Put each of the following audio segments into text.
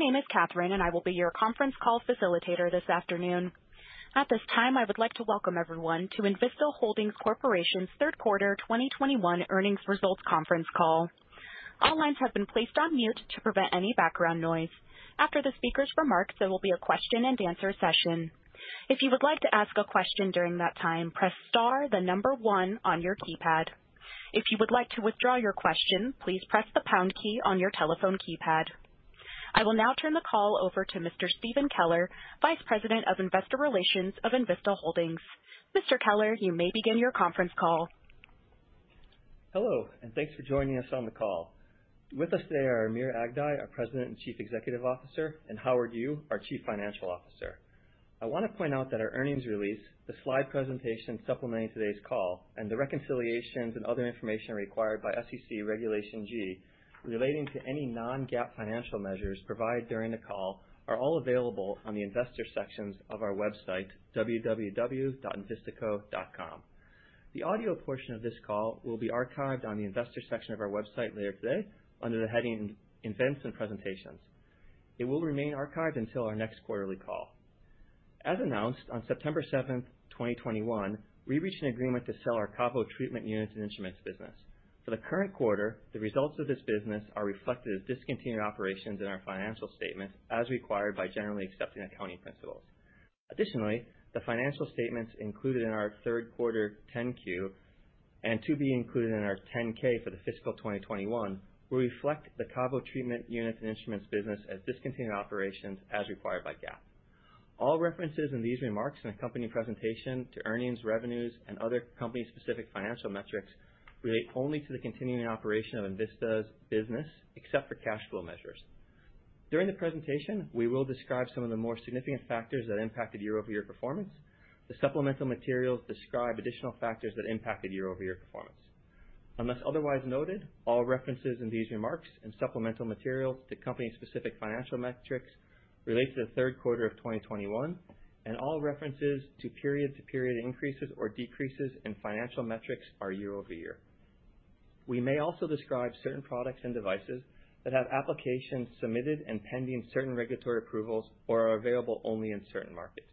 My name is Catherine, and I will be your conference call facilitator this afternoon. At this time, I would like to welcome everyone to Envista Holdings Corporation's third quarter 2021 earnings results conference call. All lines have been placed on mute to prevent any background noise. After the speaker's remarks, there will be a question-and-answer session. If you would like to ask a question during that time, press star, the number one on your keypad. If you would like to withdraw your question, please press the pound key on your telephone keypad. I will now turn the call over to Mr. Stephen Keller, Vice President of Investor Relations of Envista Holdings. Mr. Keller, you may begin your conference call. Hello, and thanks for joining us on the call. With us today are Amir Aghdaei, our President and Chief Executive Officer, and Howard Yu, our Chief Financial Officer. I want to point out that our earnings release, the slide presentation supplementing today's call, and the reconciliations and other information required by SEC Regulation G relating to any non-GAAP financial measures provided during the call are all available on the Investor sections of our website, www.envistaco.com. The audio portion of this call will be archived on the Investor section of our website later today under the heading Events and Presentations. It will remain archived until our next quarterly call. As announced on September 7th, 2021, we reached an agreement to sell our KaVo treatment units and instruments business. For the current quarter, the results of this business are reflected as discontinued operations in our financial statements as required by generally accepted accounting principles. Additionally, the financial statements included in our third quarter 10-Q and to be included in our 10-K for the fiscal 2021 will reflect the KaVo treatment units and instruments business as discontinued operations as required by GAAP. All references in these remarks and accompanying presentation to earnings, revenues, and other company-specific financial metrics relate only to the continuing operation of Envista's business, except for cash flow measures. During the presentation, we will describe some of the more significant factors that impacted year-over-year performance. The supplemental materials describe additional factors that impacted year-over-year performance. Unless otherwise noted, all references in these remarks and supplemental materials to company-specific financial metrics relate to the third quarter of 2021, and all references to period-to-period increases or decreases in financial metrics are year over year. We may also describe certain products and devices that have applications submitted and pending certain regulatory approvals or are available only in certain markets.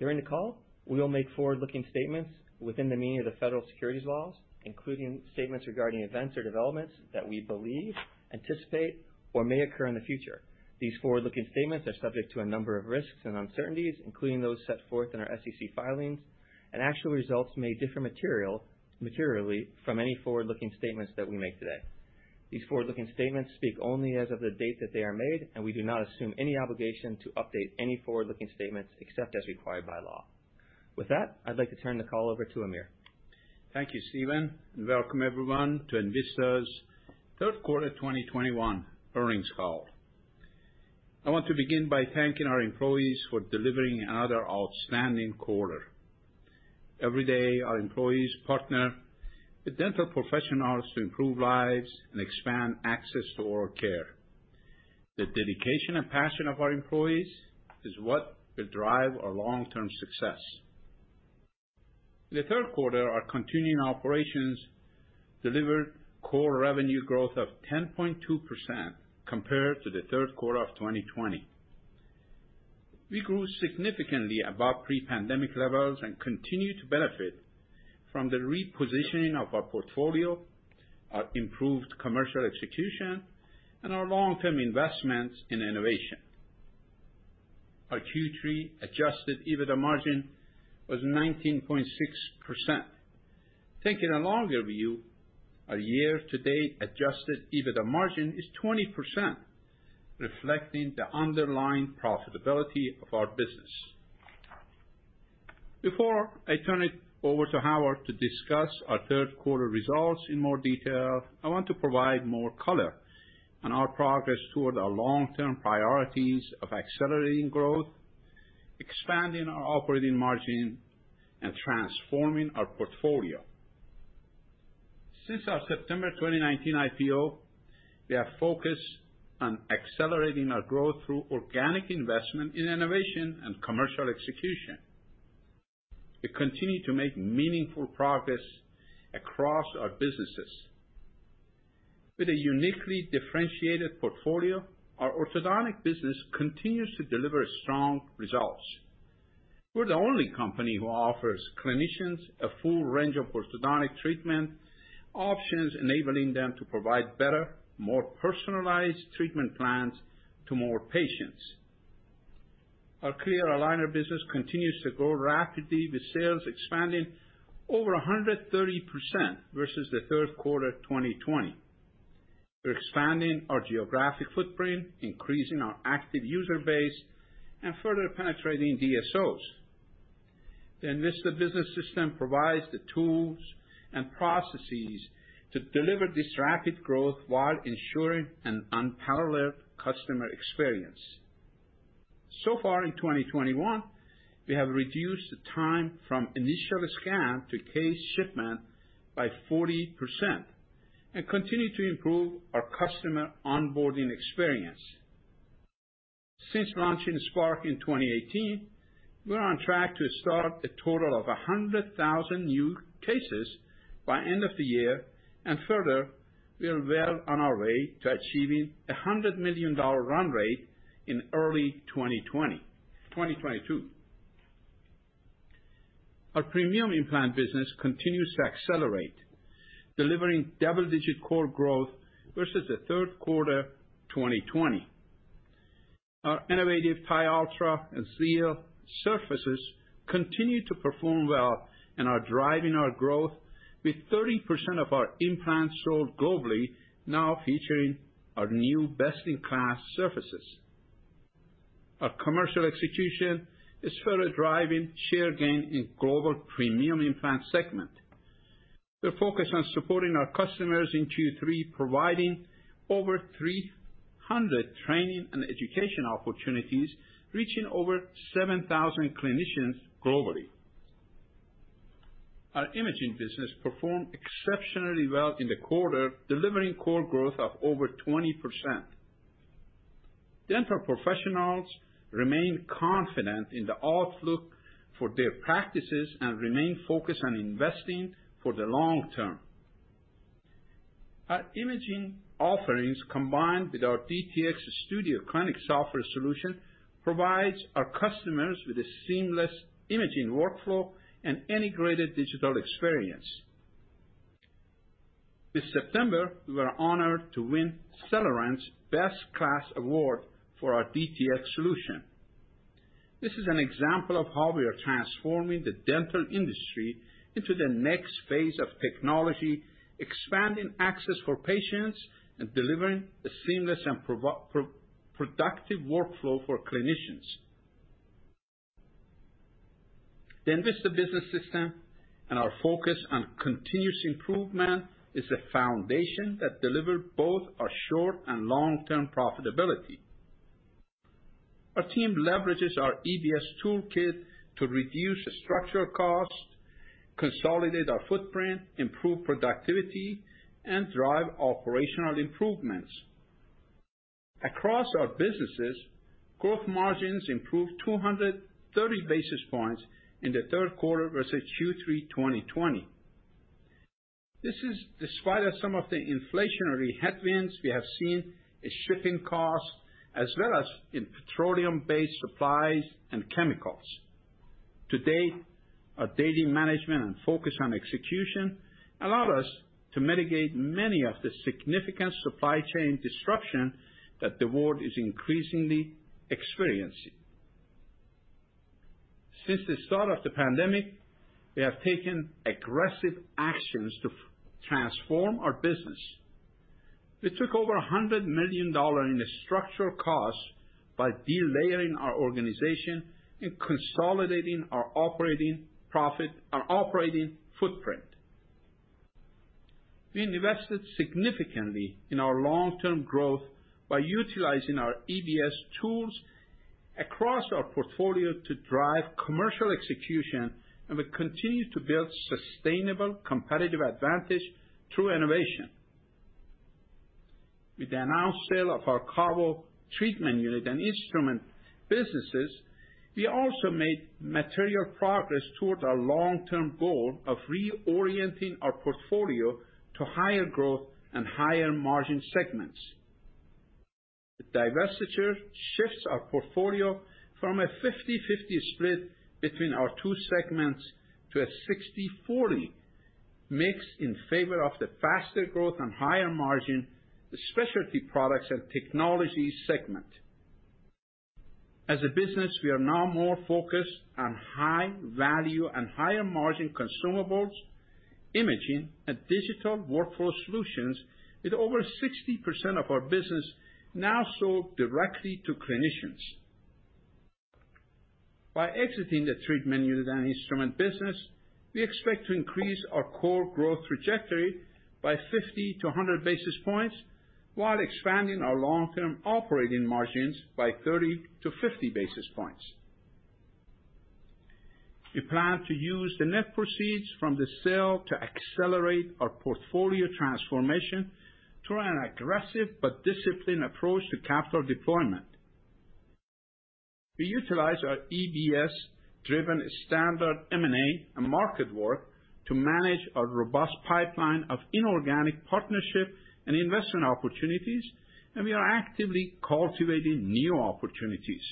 During the call, we will make forward-looking statements within the meaning of the federal securities laws, including statements regarding events or developments that we believe, anticipate, or may occur in the future. These forward-looking statements are subject to a number of risks and uncertainties, including those set forth in our SEC filings, and actual results may differ materially from any forward-looking statements that we make today. These forward-looking statements speak only as of the date that they are made, and we do not assume any obligation to update any forward-looking statements except as required by law. With that, I'd like to turn the call over to Amir. Thank you, Stephen, and welcome everyone to Envista's third quarter 2021 earnings call. I want to begin by thanking our employees for delivering another outstanding quarter. Every day, our employees partner with dental professionals to improve lives and expand access to oral care. The dedication and passion of our employees is what will drive our long-term success. In the third quarter, our continuing operations delivered core revenue growth of 10.2% compared to the third quarter of 2020. We grew significantly above pre-pandemic levels and continue to benefit from the repositioning of our portfolio, our improved commercial execution, and our long-term investments in innovation. Our Q3 adjusted EBITDA margin was 19.6%. Taking a longer view, our year-to-date adjusted EBITDA margin is 20%, reflecting the underlying profitability of our business. Before I turn it over to Howard to discuss our third quarter results in more detail, I want to provide more color on our progress toward our long-term priorities of accelerating growth, expanding our operating margin, and transforming our portfolio. Since our September 2019 IPO, we have focused on accelerating our growth through organic investment in innovation and commercial execution. We continue to make meaningful progress across our businesses. With a uniquely differentiated portfolio, our orthodontic business continues to deliver strong results. We're the only company who offers clinicians a full range of orthodontic treatment options, enabling them to provide better, more personalized treatment plans to more patients. Our clear aligner business continues to grow rapidly, with sales expanding over 130% versus the third quarter 2020. We're expanding our geographic footprint, increasing our active user base, and further penetrating DSOs. The Envista Business System provides the tools and processes to deliver this rapid growth while ensuring an unparalleled customer experience. So far in 2021, we have reduced the time from initial scan to case shipment by 40% and continue to improve our customer onboarding experience. Since launching Spark in 2018, we're on track to start a total of 100,000 new cases by end of the year. Further, we are well on our way to achieving a $100 million run rate in early 2022. Our premium implant business continues to accelerate, delivering double-digit core growth versus the third quarter 2020. Our innovative TiUltra and Xeal surfaces continue to perform well and are driving our growth with 30% of our implants sold globally now featuring our new best-in-class surfaces. Our commercial execution is further driving share gain in global premium implant segment. We're focused on supporting our customers in Q3, providing over 300 training and education opportunities, reaching over 7,000 clinicians globally. Our imaging business performed exceptionally well in the quarter, delivering core growth of over 20%. Dental professionals remain confident in the outlook for their practices and remain focused on investing for the long term. Our imaging offerings, combined with our DTX Studio clinic software solution, provides our customers with a seamless imaging workflow and integrated digital experience. This September, we were honored to win Cellerant's Best of Class Award for our DTX solution. This is an example of how we are transforming the dental industry into the next phase of technology, expanding access for patients, and delivering a seamless and productive workflow for clinicians. The Envista Business System and our focus on continuous improvement is the foundation that deliver both our short and long-term profitability. Our team leverages our EBS toolkit to reduce structural costs, consolidate our footprint, improve productivity, and drive operational improvements. Across our businesses, growth margins improved 230 basis points in the third quarter versus Q3 2020. This is despite some of the inflationary headwinds we have seen in shipping costs as well as in petroleum-based supplies and chemicals. To date, our daily management and focus on execution allowed us to mitigate many of the significant supply chain disruption that the world is increasingly experiencing. Since the start of the pandemic, we have taken aggressive actions to transform our business. We took over $100 million in structural costs by delayering our organization and consolidating our operating footprint. We invested significantly in our long-term growth by utilizing our EBS tools across our portfolio to drive commercial execution, and we continue to build sustainable competitive advantage through innovation. With the announced sale of our KaVo treatment unit and instrument businesses, we also made material progress towards our long-term goal of reorienting our portfolio to higher growth and higher margin segments. The divestiture shifts our portfolio from a 50/50 split between our two segments to a 60/40 mix in favor of the faster growth and higher margin, the Specialty Products and Technologies segment. As a business, we are now more focused on high value and higher margin consumables, imaging, and digital workflow solutions, with over 60% of our business now sold directly to clinicians. By exiting the treatment unit and instrument business, we expect to increase our core growth trajectory by 50-100 basis points while expanding our long-term operating margins by 30-50 basis points. We plan to use the net proceeds from the sale to accelerate our portfolio transformation through an aggressive but disciplined approach to capital deployment. We utilize our EBS-driven standard M&A and market work to manage our robust pipeline of inorganic partnership and investment opportunities, and we are actively cultivating new opportunities.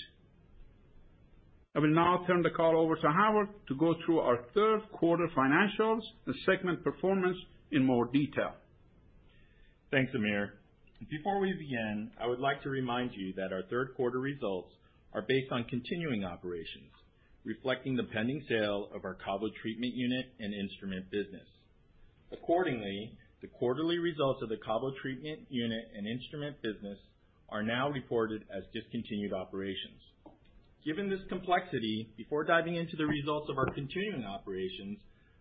I will now turn the call over to Howard to go through our third quarter financials and segment performance in more detail. Thanks, Amir. Before we begin, I would like to remind you that our third quarter results are based on continuing operations, reflecting the pending sale of our KaVo treatment unit and instrument business. Accordingly, the quarterly results of the KaVo treatment unit and instrument business are now reported as discontinued operations. Given this complexity, before diving into the results of our continuing operations,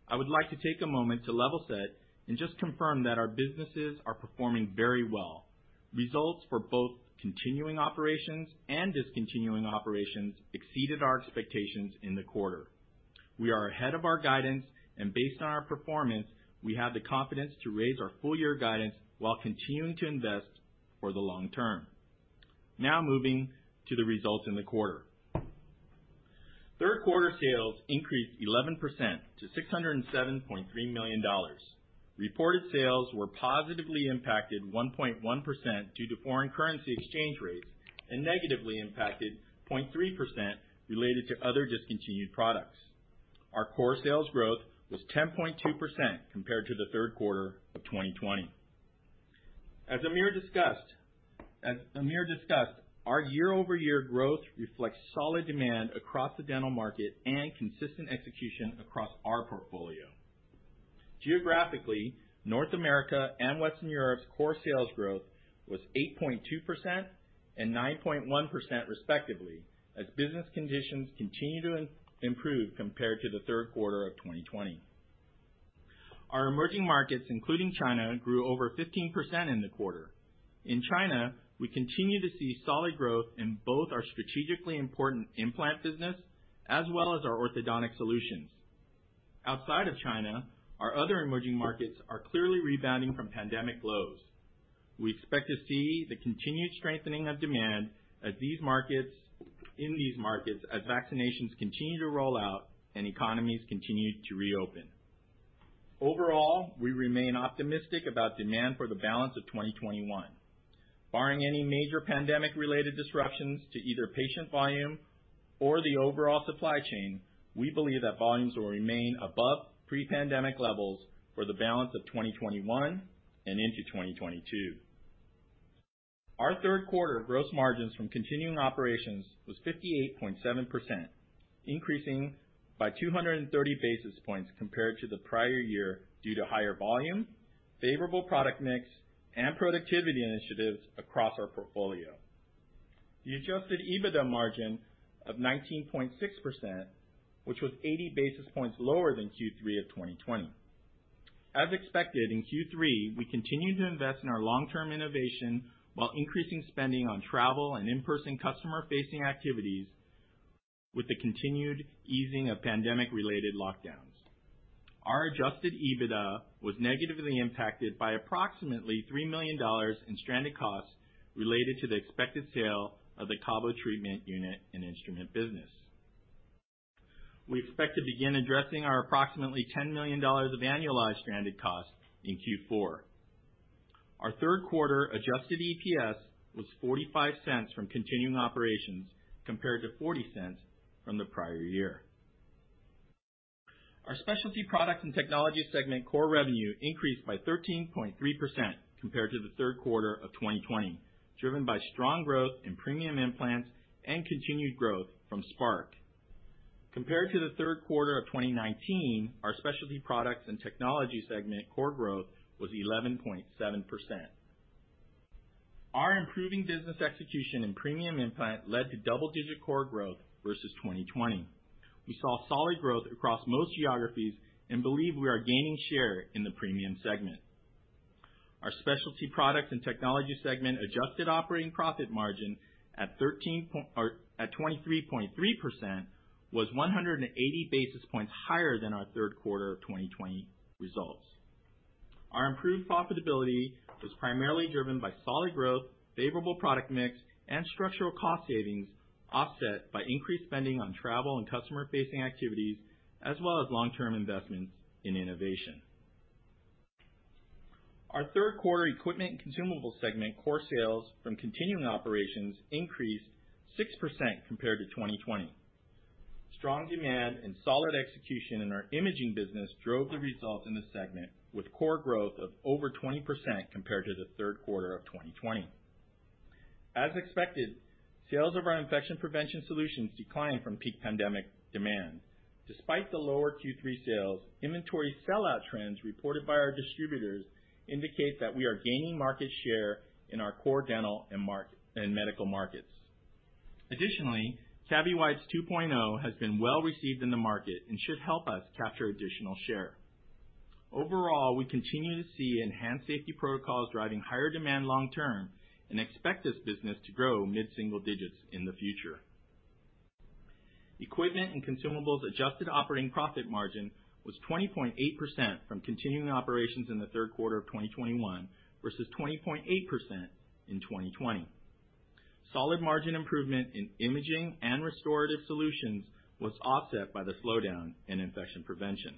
I would like to take a moment to level set and just confirm that our businesses are performing very well. Results for both continuing operations and discontinued operations exceeded our expectations in the quarter. We are ahead of our guidance, and based on our performance, we have the confidence to raise our full year guidance while continuing to invest for the long term. Now moving to the results in the quarter. Third quarter sales increased 11% to $607.3 million. Reported sales were positively impacted 1.1% due to foreign currency exchange rates, and negatively impacted 0.3% related to other discontinued products. Our core sales growth was 10.2% compared to the third quarter of 2020. As Amir discussed, our year-over-year growth reflects solid demand across the dental market and consistent execution across our portfolio. Geographically, North America and Western Europe's core sales growth was 8.2% and 9.1% respectively, as business conditions continue to improve compared to the third quarter of 2020. Our emerging markets, including China, grew over 15% in the quarter. In China, we continue to see solid growth in both our strategically important implant business as well as our orthodontic solutions. Outside of China, our other emerging markets are clearly rebounding from pandemic lows. We expect to see the continued strengthening of demand in these markets as vaccinations continue to roll out and economies continue to reopen. Overall, we remain optimistic about demand for the balance of 2021. Barring any major pandemic-related disruptions to either patient volume or the overall supply chain, we believe that volumes will remain above pre-pandemic levels for the balance of 2021 and into 2022. Our third quarter gross margins from continuing operations was 58.7%, increasing by 230 basis points compared to the prior year due to higher volume, favorable product mix, and productivity initiatives across our portfolio. The adjusted EBITDA margin of 19.6%, which was 80 basis points lower than Q3 of 2020. As expected, in Q3, we continued to invest in our long-term innovation while increasing spending on travel and in-person customer-facing activities with the continued easing of pandemic-related lockdowns. Our adjusted EBITDA was negatively impacted by approximately $3 million in stranded costs related to the expected sale of the KaVo treatment unit and instrument business. We expect to begin addressing our approximately $10 million of annualized stranded costs in Q4. Our third quarter adjusted EPS was $0.45 from continuing operations compared to $0.40 from the prior year. Our Specialty Products & Technologies segment core revenue increased by 13.3% compared to the third quarter of 2020, driven by strong growth in premium implants and continued growth from Spark. Compared to the third quarter of 2019, our Specialty Products & Technologies segment core growth was 11.7%. Our improving business execution and premium implant led to double-digit core growth versus 2020. We saw solid growth across most geographies and believe we are gaining share in the premium segment. Our Specialty Products and Technology segment adjusted operating profit margin at 23.3% was 180 basis points higher than our third quarter of 2020 results. Our improved profitability was primarily driven by solid growth, favorable product mix, and structural cost savings, offset by increased spending on travel and customer-facing activities, as well as long-term investments in innovation. Our third quarter Equipment and Consumables segment core sales from continuing operations increased 6% compared to 2020. Strong demand and solid execution in our imaging business drove the result in the segment with core growth of over 20% compared to the third quarter of 2020. As expected, sales of our infection prevention solutions declined from peak pandemic demand. Despite the lower Q3 sales, inventory sellout trends reported by our distributors indicate that we are gaining market share in our core dental and medical markets. Additionally, CaviWipes 2.0 has been well-received in the market and should help us capture additional share. Overall, we continue to see enhanced safety protocols driving higher demand long term and expect this business to grow mid-single digits in the future. Equipment & Consumables adjusted operating profit margin was 20.8% from continuing operations in the third quarter of 2021 versus 20.8% in 2020. Solid margin improvement in imaging and restorative solutions was offset by the slowdown in infection prevention.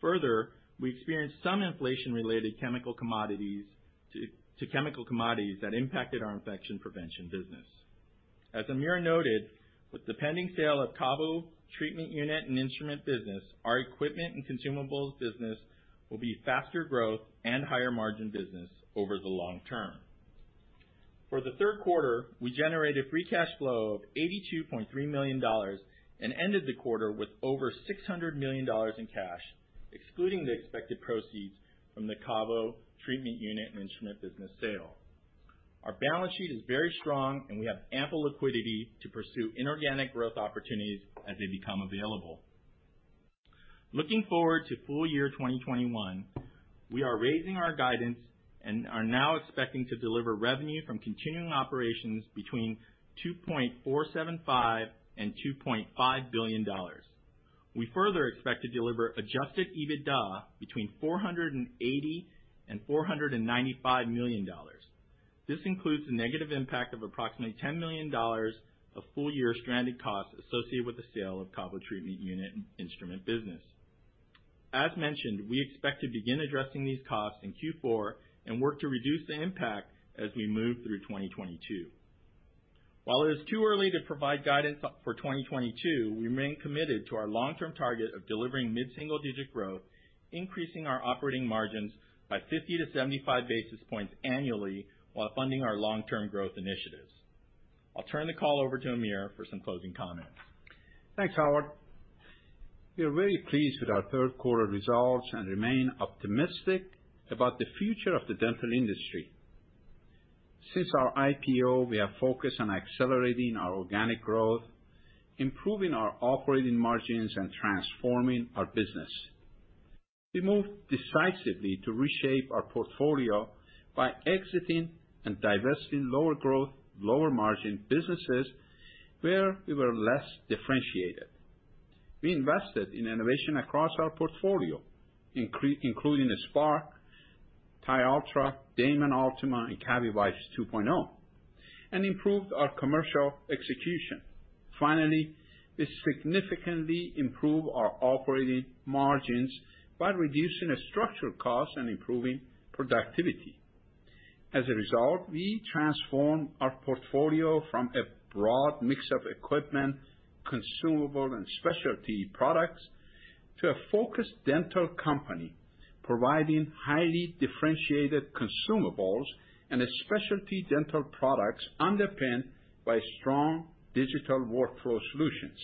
Further, we experienced some inflation-related chemical commodities to chemical commodities that impacted our infection prevention business. As Amir noted, with the pending sale of KaVo treatment unit and instrument business, our Equipment & Consumables business will be faster growth and higher margin business over the long term. For the third quarter, we generated free cash flow of $82.3 million and ended the quarter with over $600 million in cash, excluding the expected proceeds from the KaVo treatment unit and instrument business sale. Our balance sheet is very strong, and we have ample liquidity to pursue inorganic growth opportunities as they become available. Looking forward to full year 2021, we are raising our guidance and are now expecting to deliver revenue from continuing operations between $2.475 billion and $2.5 billion. We further expect to deliver adjusted EBITDA between $480 million and $495 million. This includes the negative impact of approximately $10 million of full-year stranded costs associated with the sale of KaVo treatment unit instrument business. As mentioned, we expect to begin addressing these costs in Q4 and work to reduce the impact as we move through 2022. While it is too early to provide guidance for 2022, we remain committed to our long-term target of delivering mid-single-digit growth, increasing our operating margins by 50-75 basis points annually while funding our long-term growth initiatives. I'll turn the call over to Amir for some closing comments. Thanks, Howard. We are very pleased with our third quarter results and remain optimistic about the future of the dental industry. Since our IPO, we are focused on accelerating our organic growth, improving our operating margins, and transforming our business. We moved decisively to reshape our portfolio by exiting and divesting lower growth, lower margin businesses where we were less differentiated. We invested in innovation across our portfolio, including the Spark, TiUltra, Damon Ultima, and CaviWipes 2.0, and improved our commercial execution. Finally, we significantly improved our operating margins by reducing the structural costs and improving productivity. As a result, we transformed our portfolio from a broad mix of equipment, consumable, and specialty products to a focused dental company providing highly differentiated consumables and a specialty dental products underpinned by strong digital workflow solutions.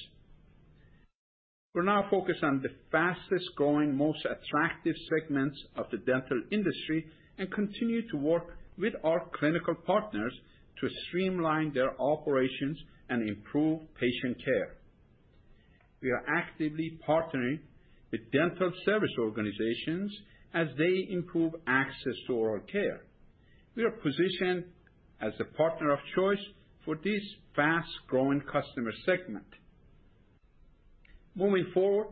We're now focused on the fastest-growing, most attractive segments of the dental industry and continue to work with our clinical partners to streamline their operations and improve patient care. We are actively partnering with dental service organizations as they improve access to oral care. We are positioned as a partner of choice for this fast-growing customer segment. Moving forward,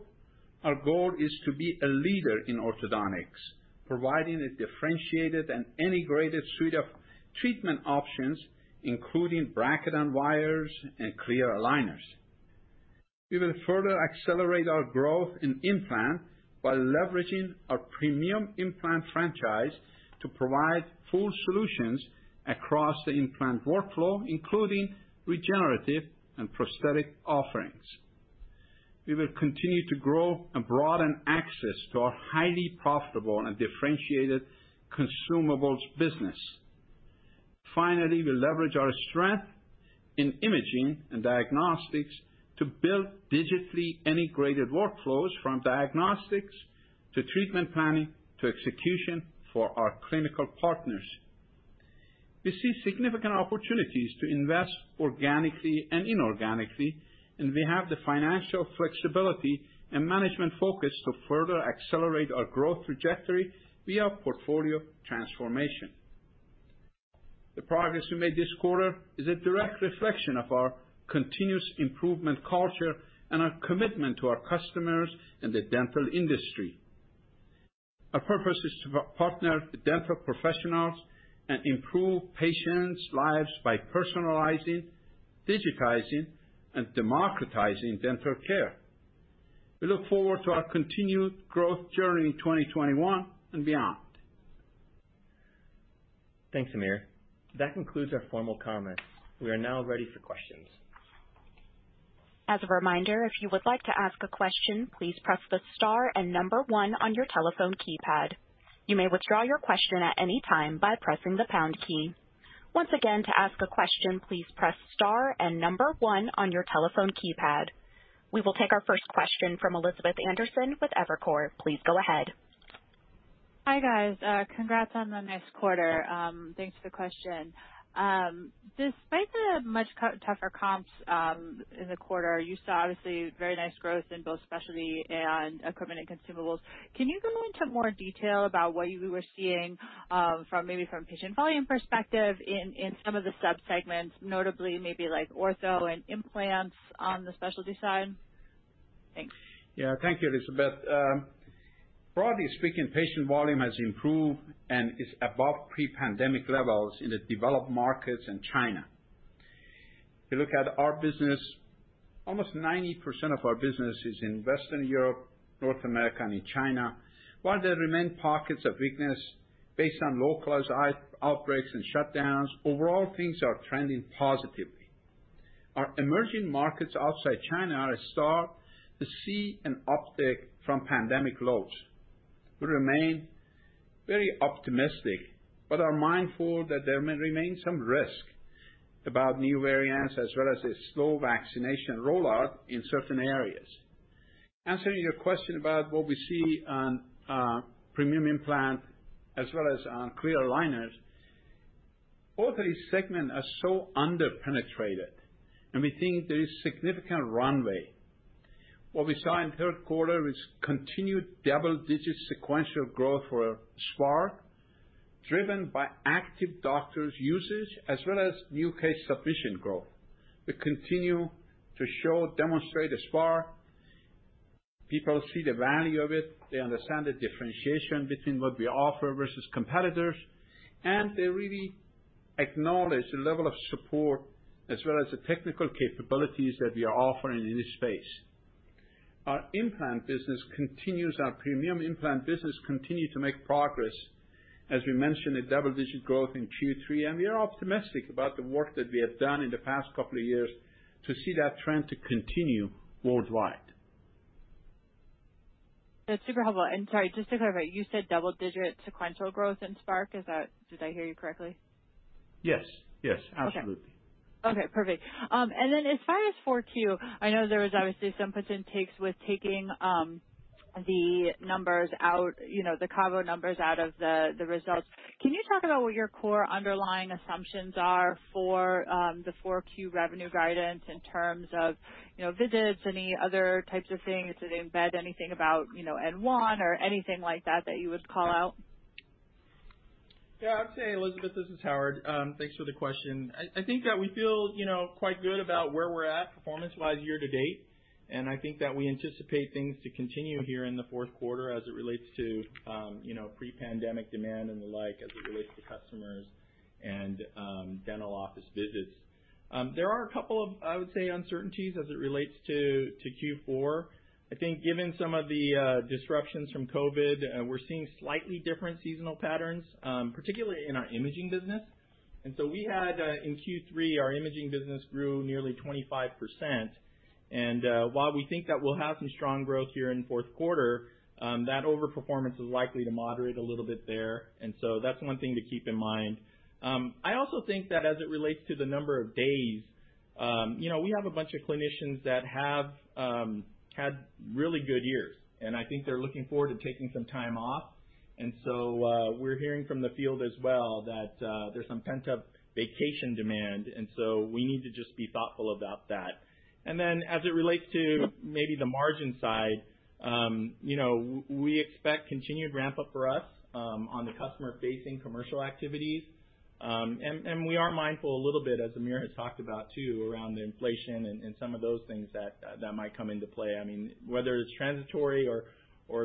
our goal is to be a leader in orthodontics, providing a differentiated and integrated suite of treatment options, including bracket and wires and clear aligners. We will further accelerate our growth in implant by leveraging our premium implant franchise to provide full solutions across the implant workflow, including regenerative and prosthetic offerings. We will continue to grow and broaden access to our highly profitable and differentiated consumables business. Finally, we leverage our strength in imaging and diagnostics to build digitally integrated workflows from diagnostics to treatment planning to execution for our clinical partners. We see significant opportunities to invest organically and inorganically, and we have the financial flexibility and management focus to further accelerate our growth trajectory via portfolio transformation. The progress we made this quarter is a direct reflection of our continuous improvement culture and our commitment to our customers and the dental industry. Our purpose is to partner with dental professionals and improve patients' lives by personalizing, digitizing, and democratizing dental care. We look forward to our continued growth journey in 2021 and beyond. Thanks, Amir. That concludes our formal comments. We are now ready for questions. As a reminder, if you would like to ask a question, please press the star and number one on your telephone keypad. You may withdraw your question at any time by pressing the pound key. Once again, to ask a question, please press star and number one on your telephone keypad. We will take our first question from Elizabeth Anderson with Evercore. Please go ahead. Hi, guys. Congrats on the nice quarter. Thanks for the question. Despite the tougher comps in the quarter, you saw obviously very nice growth in both Specialty and Equipment and Consumables. Can you go into more detail about what you were seeing from maybe a patient volume perspective in some of the subsegments, notably maybe like ortho and implants on the Specialty side? Thanks. Yeah. Thank you, Elizabeth. Broadly speaking, patient volume has improved and is above pre-pandemic levels in the developed markets in China. If you look at our business, almost 90% of our business is in Western Europe, North America, and in China. While there remain pockets of weakness based on localized outbreaks and shutdowns, overall things are trending positively. Our emerging markets outside China are starting to see an uptick from pandemic lows. We remain very optimistic but are mindful that there may remain some risk about new variants, as well as a slow vaccination rollout in certain areas. Answering your question about what we see on premium implant as well as on clear aligners. Both of these segments are so under-penetrated, and we think there is significant runway. What we saw in third quarter is continued double-digit sequential growth for Spark, driven by active doctors' usage as well as new case submission growth. We continue to show, demonstrate Spark. People see the value of it, they understand the differentiation between what we offer versus competitors, and they really acknowledge the level of support as well as the technical capabilities that we are offering in this space. Our implant business continues, our premium implant business continue to make progress. As we mentioned, a double-digit growth in Q3, and we are optimistic about the work that we have done in the past couple of years to see that trend to continue worldwide. That's super helpful. Sorry, just to clarify, you said double-digit sequential growth in Spark. Is that? Did I hear you correctly? Yes. Yes, absolutely. Okay. Okay, perfect. As far as 4Q, I know there was obviously some puts and takes with taking the COVID numbers out of the results. Can you talk about what your core underlying assumptions are for the 4Q revenue guidance in terms of, you know, visits, any other types of things? Does it embed anything about, you know, N1 or anything like that that you would call out? Yeah. I'd say, Elizabeth, this is Howard. Thanks for the question. I think that we feel, you know, quite good about where we're at performance-wise year to date. I think that we anticipate things to continue here in the fourth quarter as it relates to, you know, pre-pandemic demand and the like, as it relates to customers and dental office visits. There are a couple of, I would say, uncertainties as it relates to Q4. I think given some of the disruptions from COVID, we're seeing slightly different seasonal patterns, particularly in our imaging business. We had in Q3, our imaging business grew nearly 25%. While we think that we'll have some strong growth here in fourth quarter, that overperformance is likely to moderate a little bit there. That's one thing to keep in mind. I also think that as it relates to the number of days, you know, we have a bunch of clinicians that have had really good years, and I think they're looking forward to taking some time off. We're hearing from the field as well that there's some pent-up vacation demand, and so we need to just be thoughtful about that. As it relates to maybe the margin side, you know, we expect continued ramp up for us on the customer-facing commercial activities. And we are mindful a little bit, as Amir has talked about too, around the inflation and some of those things that might come into play. I mean, whether it's transitory or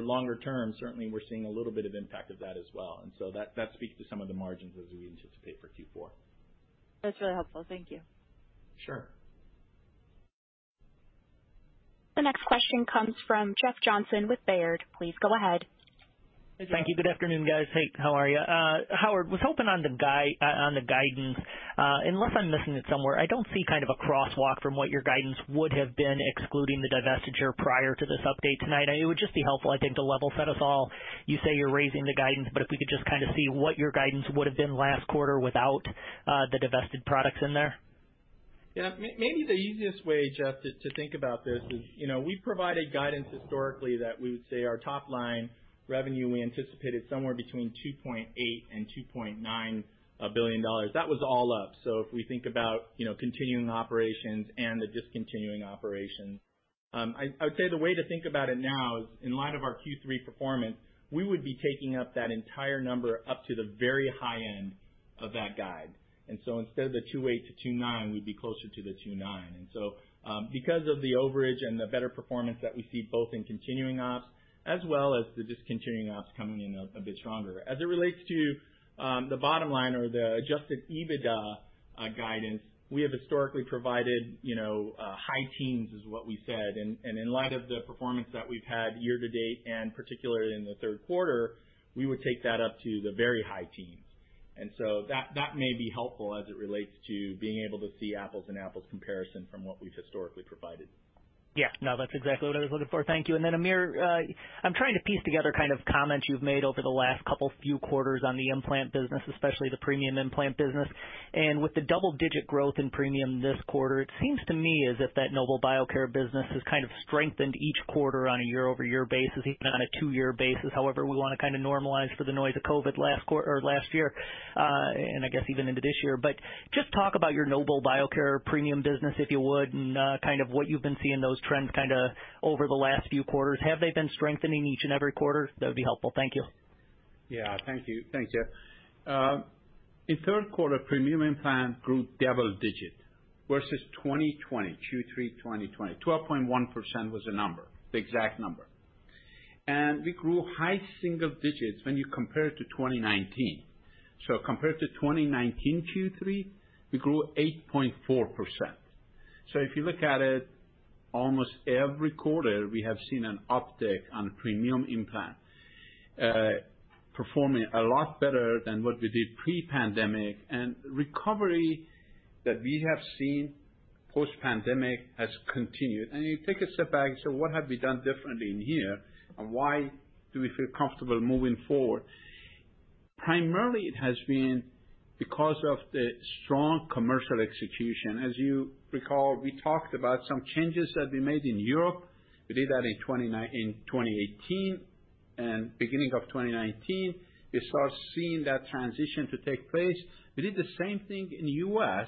longer term, certainly we're seeing a little bit of impact of that as well. That speaks to some of the margins as we anticipate for Q4. That's really helpful. Thank you. Sure. The next question comes from Jeff Johnson with Baird. Please go ahead. Thank you. Good afternoon, guys. Hey, how are you? Howard, I was hoping on the guidance, unless I'm missing it somewhere. I don't see kind of a crosswalk from what your guidance would have been excluding the divestiture prior to this update tonight. It would just be helpful, I think, to level set us all. You say you're raising the guidance, but if we could just kind of see what your guidance would have been last quarter without the divested products in there. Yeah. Maybe the easiest way, Jeff, to think about this is, you know, we've provided guidance historically that we would say our top line revenue, we anticipated somewhere between $2.8 billion and $2.9 billion. That was all up. If we think about, you know, continuing operations and the discontinuing operations, I would say the way to think about it now is in light of our Q3 performance, we would be taking up that entire number up to the very high end of that guide. Instead of the $2.8 billion-$2.9 billion, we'd be closer to the $2.9 billion. Because of the overage and the better performance that we see both in continuing ops as well as the discontinuing ops coming in a bit stronger. As it relates to the bottom line or the adjusted EBITDA guidance we have historically provided, you know, high teens is what we said. In light of the performance that we've had year to date, and particularly in the third quarter, we would take that up to the very high teens. That may be helpful as it relates to being able to see apples and apples comparison from what we've historically provided. Yeah. No, that's exactly what I was looking for. Thank you. Then, Amir, I'm trying to piece together kind of comments you've made over the last couple few quarters on the implant business, especially the premium implant business. With the double-digit growth in premium this quarter, it seems to me as if that Nobel Biocare business has kind of strengthened each quarter on a year-over-year basis, even on a two-year basis. However, we wanna kind of normalize for the noise of COVID or last year, and I guess even into this year. Just talk about your Nobel Biocare premium business, if you would, and kind of what you've been seeing those trends kinda over the last few quarters. Have they been strengthening each and every quarter? That would be helpful. Thank you. Yeah. Thank you. Thanks, Jeff. In third quarter, premium implant grew double digits versus 2020, Q3 2020. 12.1% was the number, the exact number. We grew high single digits when you compare it to 2019. Compared to 2019 Q3, we grew 8.4%. If you look at it, almost every quarter we have seen an uptick on premium implant, performing a lot better than what we did pre-pandemic. Recovery that we have seen post-pandemic has continued. You take a step back and say, "What have we done differently in here and why do we feel comfortable moving forward?" Primarily, it has been because of the strong commercial execution. As you recall, we talked about some changes that we made in Europe. We did that in 2018. Beginning of 2019, we start seeing that transition to take place. We did the same thing in the U.S.,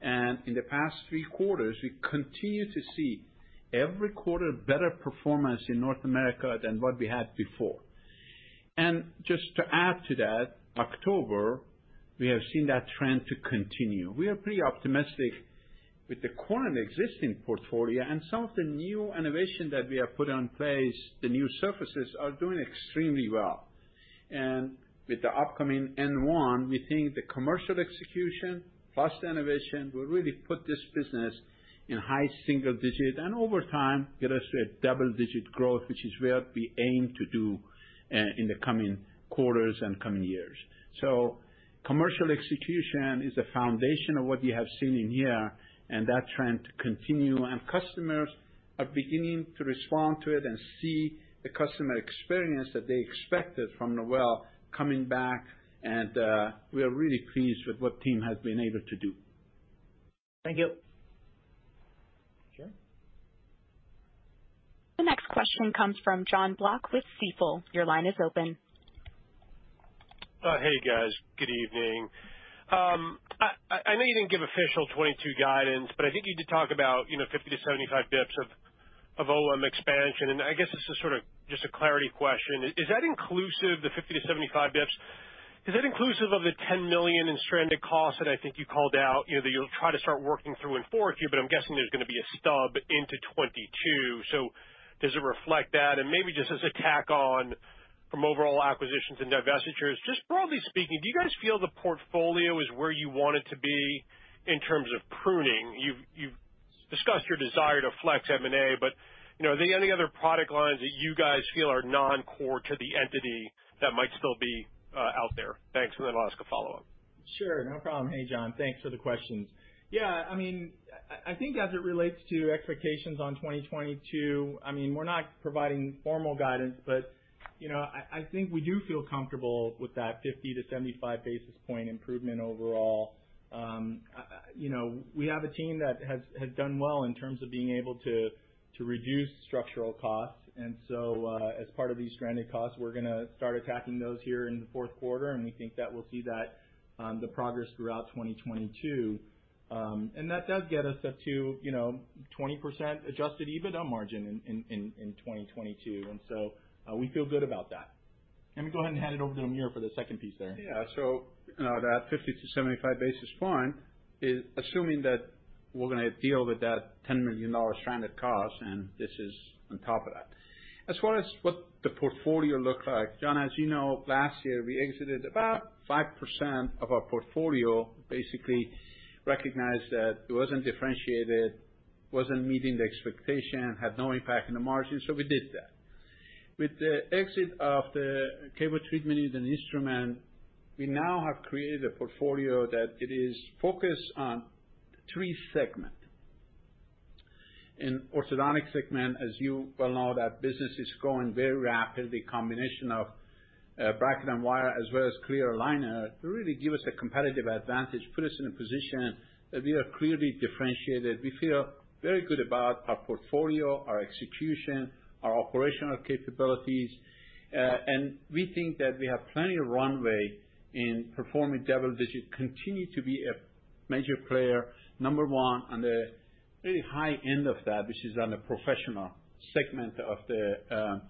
and in the past three quarters, we continue to see every quarter better performance in North America than what we had before. Just to add to that, October, we have seen that trend to continue. We are pretty optimistic with the current existing portfolio and some of the new innovation that we have put in place, the new surfaces are doing extremely well. With the upcoming N1, we think the commercial execution plus the innovation will really put this business in high single digit and over time get us to a double-digit growth, which is where we aim to do in the coming quarters and coming years. Commercial execution is the foundation of what you have seen in here, and that trend continue. Customers are beginning to respond to it and see the customer experience that they expected from Nobel coming back, and we are really pleased with what team has been able to do. Thank you. Sure. The next question comes from Jon Block with Stifel. Your line is open. Hey, guys. Good evening. I know you didn't give official 2022 guidance, but I think you did talk about, you know, 50-75 basis points of operating margin expansion. I guess this is sort of just a clarity question. Is that inclusive, the 50-75 basis points, is that inclusive of the $10 million in stranded costs that I think you called out, you know, that you'll try to start working through in fourth quarter? I'm guessing there's gonna be a stub into 2022. Does it reflect that? Maybe just as a tack-on from overall acquisitions and divestitures, just broadly speaking, do you guys feel the portfolio is where you want it to be in terms of pruning? You've discussed your desire to flex M&A, but, you know, are there any other product lines that you guys feel are non-core to the entity that might still be out there? Thanks, and then I'll ask a follow-up. Sure. No problem. Hey, Jon. Thanks for the questions. Yeah, I mean, I think as it relates to expectations on 2022, I mean, we're not providing formal guidance, but, you know, I think we do feel comfortable with that 50-75 basis points improvement overall. You know, we have a team that has done well in terms of being able to reduce structural costs. As part of these stranded costs, we're gonna start attacking those here in the fourth quarter, and we think that we'll see that the progress throughout 2022. That does get us up to, you know, 20% adjusted EBITDA margin in 2022, and we feel good about that. Let me go ahead and hand it over to Amir for the second piece there. Yeah. That 50-75 basis point is assuming that we're gonna deal with that $10 million stranded cost, and this is on top of that. As far as what the portfolio looks like, Jon, as you know, last year, we exited about 5% of our portfolio, basically recognized that it wasn't differentiated, wasn't meeting the expectation, had no impact on the margin, so we did that. With the exit of the KaVo treatment unit and instrument, we now have created a portfolio that is focused on three segments. In the orthodontic segment, as you well know, that business is growing very rapidly. Combination of bracket and wire as well as clear aligner really give us a competitive advantage, put us in a position that we are clearly differentiated. We feel very good about our portfolio, our execution, our operational capabilities, and we think that we have plenty of runway in performing double-digit, continue to be a major player, number one on the very high end of that, which is on the professional segment of the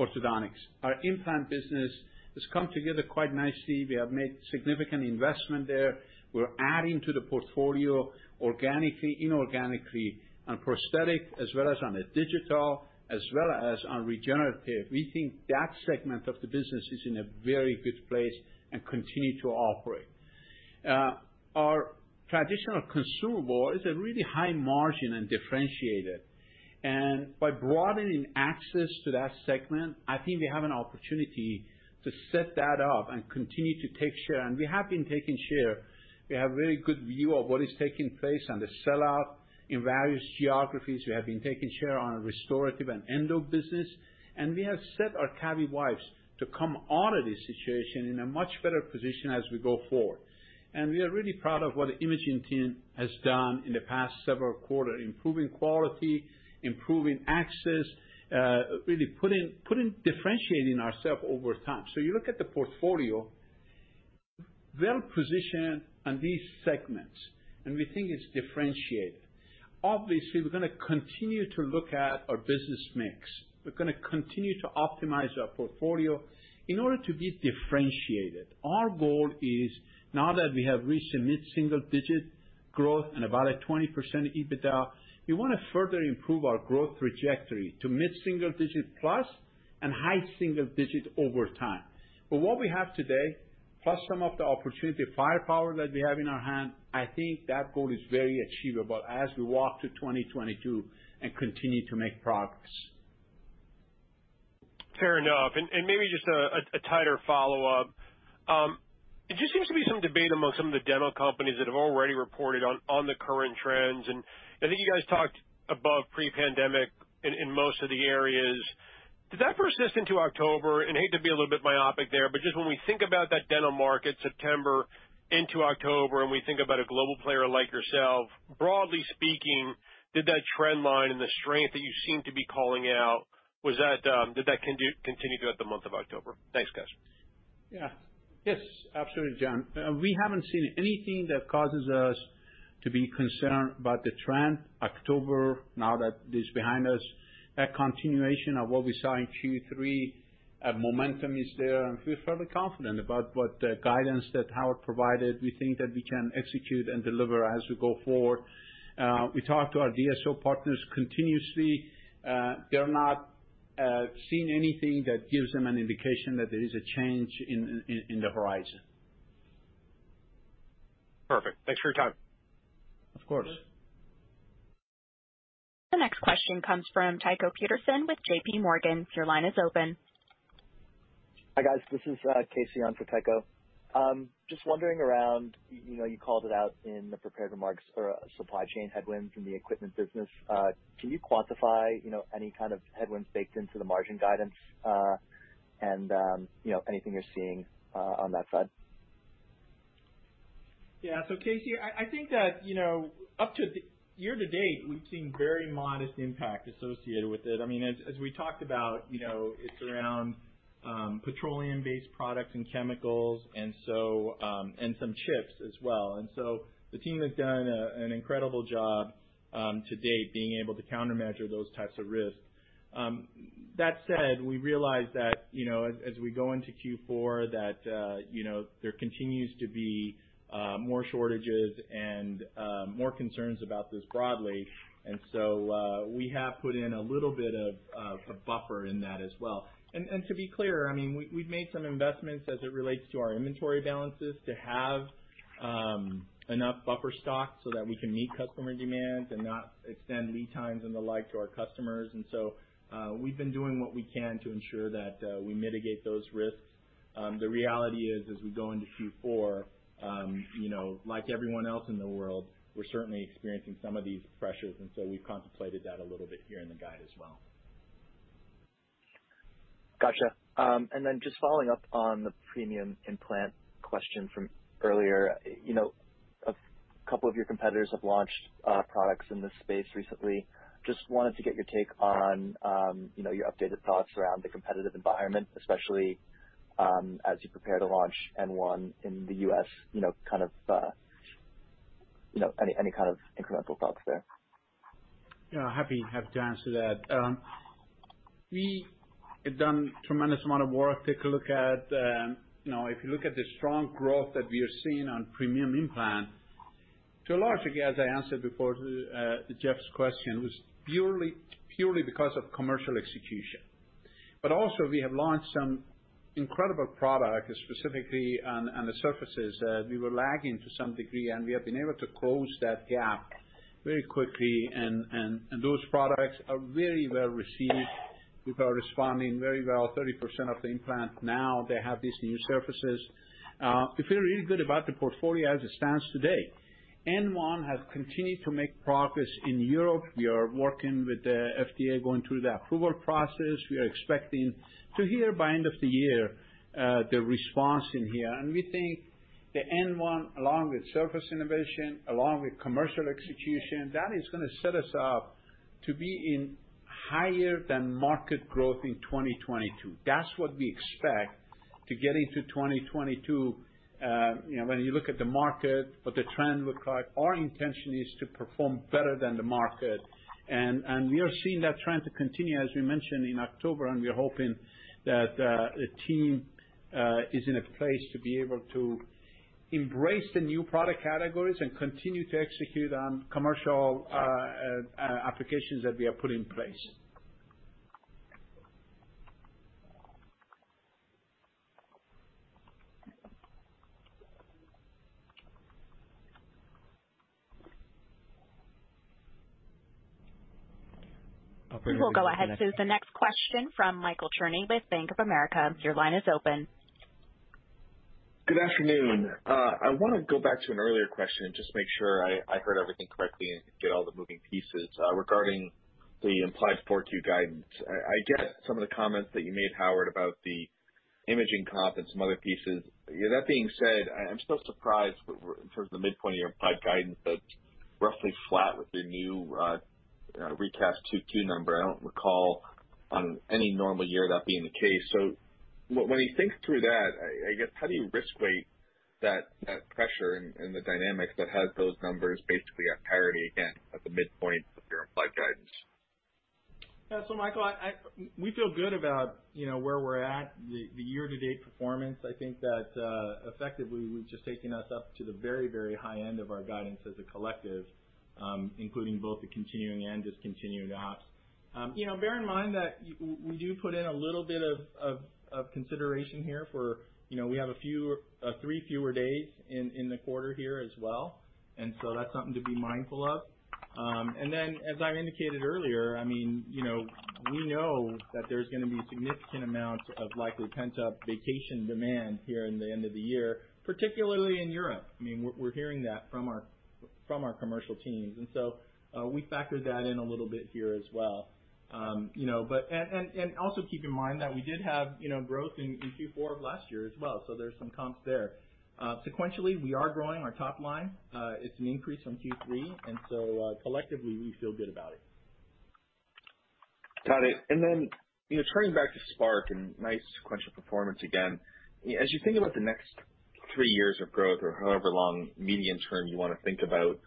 orthodontics. Our implant business has come together quite nicely. We have made significant investment there. We're adding to the portfolio organically, inorganically on prosthetic as well as on the digital as well as on regenerative. We think that segment of the business is in a very good place and continue to operate. Our traditional consumable is a really high margin and differentiated. By broadening access to that segment, I think we have an opportunity to set that up and continue to take share, and we have been taking share. We have very good view of what is taking place on the sell-out in various geographies. We have been taking share on restorative and endo business, and we have set our CaviWipes to come out of this situation in a much better position as we go forward. We are really proud of what the imaging team has done in the past several quarters, improving quality, improving access, really differentiating ourselves over time. You look at the portfolio, well-positioned on these segments, and we think it's differentiated. Obviously, we're gonna continue to look at our business mix. We're gonna continue to optimize our portfolio in order to be differentiated. Our goal is now that we have reached a mid-single digit growth and about a 20% EBITDA, we wanna further improve our growth trajectory to mid-single digit plus and high single digit over time. But what we have today, plus some of the opportunity firepower that we have in our hand, I think that goal is very achievable as we walk through 2022 and continue to make progress. Fair enough. Maybe just a tighter follow-up. There just seems to be some debate among some of the dental companies that have already reported on the current trends, and I think you guys talked above pre-pandemic in most of the areas. Did that persist into October? I hate to be a little bit myopic there, but just when we think about that dental market, September into October, and we think about a global player like yourself, broadly speaking, did that trend line and the strength that you seem to be calling out, did that continue throughout the month of October? Thanks, guys. Yeah. Yes, absolutely, John. We haven't seen anything that causes us to be concerned about the trend. October, now that it is behind us, a continuation of what we saw in Q3. Momentum is there, and feel fairly confident about what guidance that Howard provided. We think that we can execute and deliver as we go forward. We talk to our DSO partners continuously. They're not seeing anything that gives them an indication that there is a change in the horizon. Perfect. Thanks for your time. Of course. The next question comes from Tycho Peterson with JPMorgan. Your line is open. Hi, guys. This is Casey on for Tycho. Just wondering about, you know, you called it out in the prepared remarks for supply chain headwinds in the equipment business. Can you quantify, you know, any kind of headwinds baked into the margin guidance? You know, anything you're seeing on that side? Yeah. Casey, I think that, you know, up to the year-to-date, we've seen very modest impact associated with it. I mean, as we talked about, you know, it's around petroleum-based products and chemicals and so, and some chips as well. The team has done an incredible job to date being able to countermeasure those types of risks. That said, we realize that, you know, as we go into Q4, that, you know, there continues to be more shortages and more concerns about this broadly. We have put in a little bit of a buffer in that as well. To be clear, I mean, we've made some investments as it relates to our inventory balances to have enough buffer stock so that we can meet customer demands and not extend lead times and the like to our customers. We've been doing what we can to ensure that we mitigate those risks. The reality is as we go into Q4, you know, like everyone else in the world, we're certainly experiencing some of these pressures, and so we've contemplated that a little bit here in the guide as well. Gotcha. Just following up on the premium implant question from earlier. You know, a couple of your competitors have launched products in this space recently. Just wanted to get your take on, you know, your updated thoughts around the competitive environment, especially, as you prepare to launch N1 in the U.S. You know, kind of, you know, any kind of incremental thoughts there? Yeah, happy to answer that. We have done tremendous amount of work. Take a look at, you know, if you look at the strong growth that we are seeing on premium implant, to a large degree, as I answered before to Jeff's question, was purely because of commercial execution. Also we have launched some incredible product specifically on the surfaces that we were lagging to some degree, and we have been able to close that gap very quickly. Those products are very well received. People are responding very well. 30% of the implant now they have these new surfaces. We feel really good about the portfolio as it stands today. N1 has continued to make progress in Europe. We are working with the FDA, going through the approval process. We are expecting to hear by end of the year the response in here. We think the N1, along with surface innovation, along with commercial execution, that is gonna set us up to be in higher than market growth in 2022. That's what we expect to get into 2022. You know, when you look at the market, what the trend looks like, our intention is to perform better than the market. We are seeing that trend to continue as we mentioned in October, and we are hoping that the team is in a place to be able to embrace the new product categories and continue to execute on commercial applications that we have put in place. Operator- We will go ahead to the next question from Michael Cherny with Bank of America. Your line is open. Good afternoon. I wanna go back to an earlier question and just make sure I heard everything correctly and get all the moving pieces regarding the implied Q4 2022 guidance. I get some of the comments that you made, Howard, about the imaging comp and some other pieces. That being said, I'm still surprised in terms of the midpoint of your implied guidance that's roughly flat with your new recast Q2 2022 number. I don't recall on any normal year that being the case. When you think through that, I guess, how do you risk-weight that pressure and the dynamics that has those numbers basically at parity again at the midpoint of your implied guidance? Michael, we feel good about, you know, where we're at. The year-to-date performance, I think that effectively we've just taken us up to the very, very high end of our guidance as a collective, including both the continuing and discontinued ops. You know, bear in mind that we do put in a little bit of consideration here for, you know, we have a few 3 fewer days in the quarter here as well, and so that's something to be mindful of. As I indicated earlier, I mean, you know, we know that there's gonna be significant amounts of likely pent-up vacation demand here in the end of the year, particularly in Europe. I mean, we're hearing that from our commercial teams. We factored that in a little bit here as well. You know, also keep in mind that we did have you know, growth in Q4 of last year as well, so there's some comps there. Sequentially, we are growing our top line. It's an increase from Q3, collectively, we feel good about it. Got it. You know, turning back to Spark and nice sequential performance again. As you think about the next three years of growth or however long medium-term you wanna think about,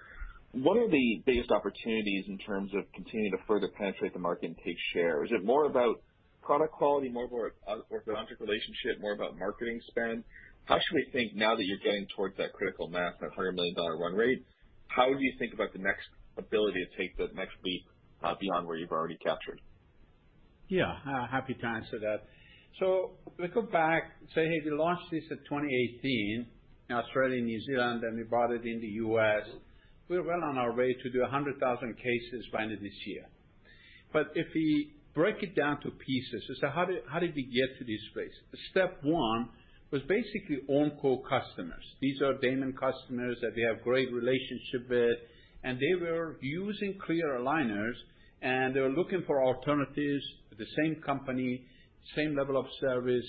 what are the biggest opportunities in terms of continuing to further penetrate the market and take share? Is it more about product quality, more of an orthodontic relationship, more about marketing spend? How should we think now that you're getting towards that critical mass, that $100 million run rate, how do you think about the next ability to take the next leap, beyond where you've already captured? Yeah, happy to answer that. We go back, say, "Hey, we launched this in 2018 in Australia and New Zealand, and we brought it in the U.S." We're well on our way to do 100,000 cases by end of this year. If we break it down to pieces and say, "How did we get to this place?" Step one was basically Ormco customers. These are Damon customers that we have great relationship with, and they were using clear aligners, and they were looking for alternatives, the same company, same level of service,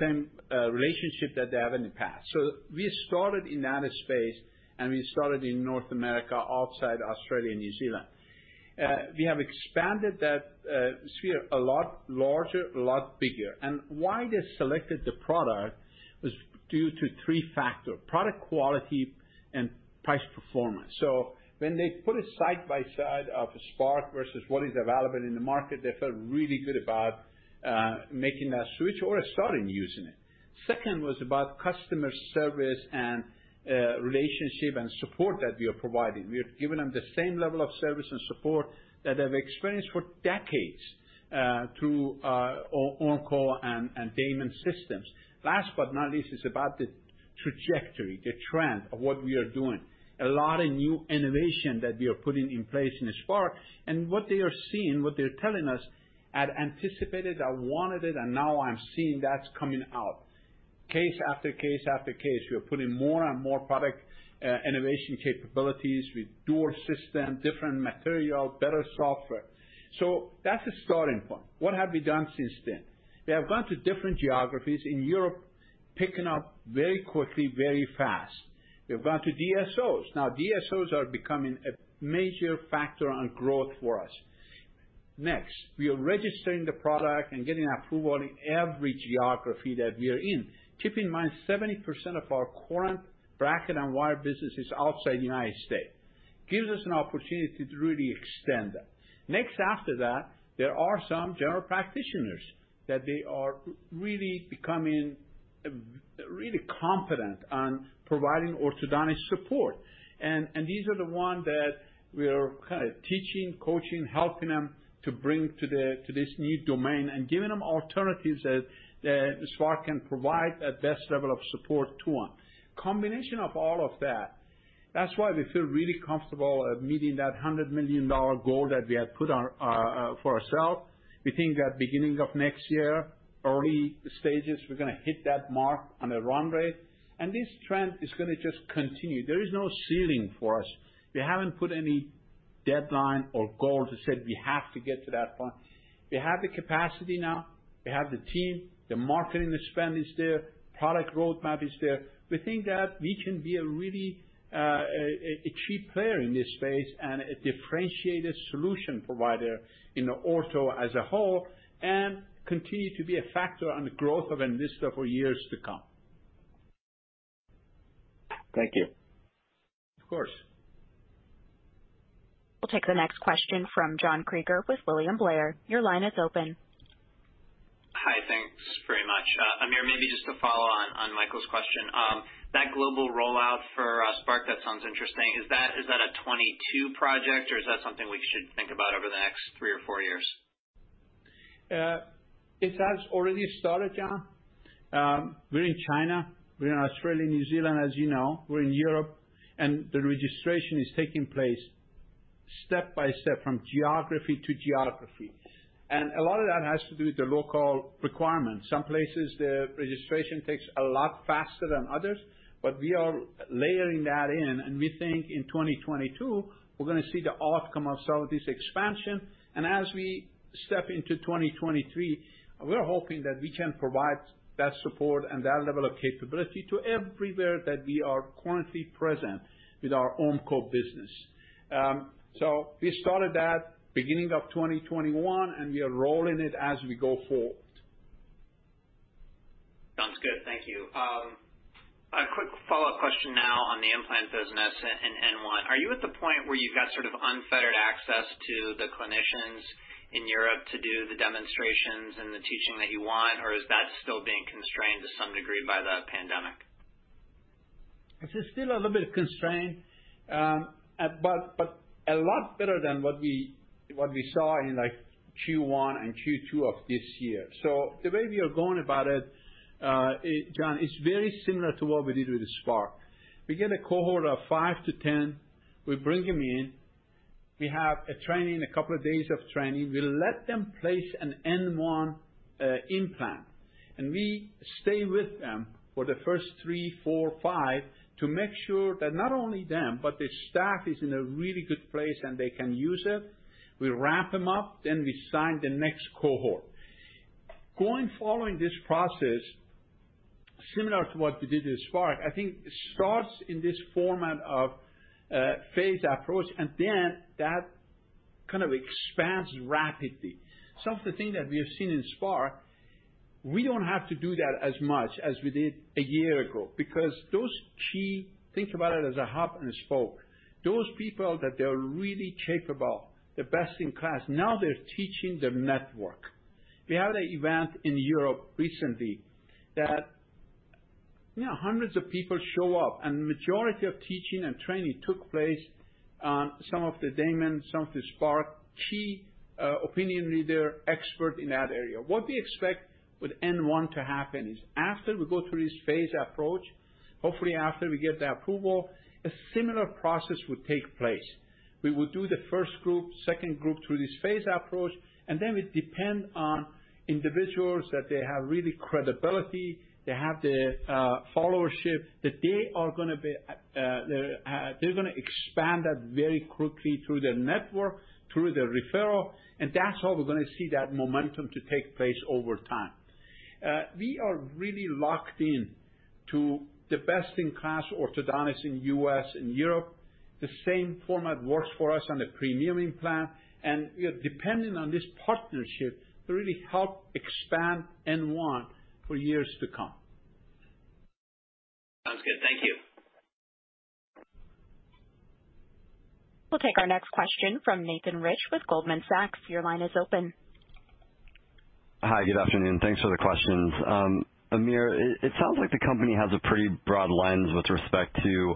same relationship that they have in the past. We started in that space, and we started in North America, outside Australia and New Zealand. We have expanded that sphere a lot larger, a lot bigger. Why they selected the product was due to three factors, product quality and price performance. When they put it side by side of Spark versus what is available in the market, they felt really good about making that switch or starting using it. Second was about customer service and relationship and support that we are providing. We are giving them the same level of service and support that they've experienced for decades through Ormco and Damon System. Last but not least, is about the trajectory, the trend of what we are doing. A lot of new innovation that we are putting in place in Spark and what they are seeing, what they're telling us, "I'd anticipated, I wanted it, and now I'm seeing that's coming out." Case after case after case, we are putting more and more product innovation capabilities with Damon System, different material, better software. That's a starting point. What have we done since then? We have gone to different geographies in Europe, picking up very quickly, very fast. We've gone to DSOs. Now DSOs are becoming a major factor on growth for us. Next, we are registering the product and getting approval in every geography that we are in. Keep in mind, 70% of our current bracket and wire business is outside United States. Gives us an opportunity to really extend that. Next after that, there are some general practitioners that they are really becoming really competent on providing orthodontic support. These are the ones that we are kind of teaching, coaching, helping them to bring to this new domain and giving them alternatives that Spark can provide at best level of support to them. Combination of all of that's why we feel really comfortable at meeting that $100 million goal that we had put out for ourselves. We think that beginning of next year, early stages, we're gonna hit that mark on a run rate, and this trend is gonna just continue. There is no ceiling for us. We haven't put any deadline or goal to say we have to get to that point. We have the capacity now. We have the team. The marketing spend is there. Product roadmap is there. We think that we can be a really key player in this space and a differentiated solution provider in the ortho as a whole, and continue to be a factor on the growth of Envista for years to come. Thank you. Of course. We'll take the next question from John Kreger with William Blair. Your line is open. Hi. Thanks very much. Amir, maybe just to follow on Michael's question. That global rollout for Spark sounds interesting. Is that a 2022 project, or is that something we should think about over the next three or four years? It has already started, John. We're in China. We're in Australia, New Zealand, as you know. We're in Europe. The registration is taking place step by step from geography to geography. A lot of that has to do with the local requirements. Some places, the registration takes a lot faster than others, but we are layering that in, and we think in 2022, we're gonna see the outcome of some of this expansion. As we step into 2023, we're hoping that we can provide that support and that level of capability to everywhere that we are currently present with our Ormco business. We started that beginning of 2021, and we are rolling it as we go forward. Sounds good. Thank you. A quick follow-up question now on the implant business and N1. Are you at the point where you've got sort of unfettered access to the clinicians in Europe to do the demonstrations and the teaching that you want, or is that still being constrained to some degree by the pandemic? It is still a little bit constrained, but a lot better than what we saw in, like, Q1 and Q2 of this year. The way we are going about it, John, is very similar to what we did with the Spark. We get a cohort of five to 10. We bring them in. We have a training, a couple of days of training. We let them place an N1 implant, and we stay with them for the first three, four, five to make sure that not only them, but their staff is in a really good place, and they can use it. We wrap them up, then we sign the next cohort. Following this process similar to what we did with Spark, I think starts in this format of phase approach, and then that kind of expands rapidly. Some of the things that we have seen in Spark, we don't have to do that as much as we did a year ago because those key, think about it as a hub and a spoke. Those people that they are really capable, the best in class, now they're teaching their network. We had an event in Europe recently that, you know, hundreds of people show up, and the majority of teaching and training took place, some of the Damon, some of the Spark key opinion leader, expert in that area. What we expect with N1 to happen is after we go through this phase approach, hopefully, after we get the approval, a similar process would take place. We will do the first group, second group through this phase approach, and then it depend on individuals that they have really credibility, they have the followership, that they are gonna be, they're gonna expand that very quickly through their network, through their referral, and that's how we're gonna see that momentum to take place over time. We are really locked in to the best-in-class orthodontists in U.S. and Europe. The same format works for us on the premium implant, and we are dependent on this partnership to really help expand N1 for years to come. Sounds good. Thank you. We'll take our next question from Nathan Rich with Goldman Sachs. Your line is open. Hi. Good afternoon. Thanks for the questions. Amir, it sounds like the company has a pretty broad lens with respect to